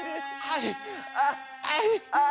はいはい。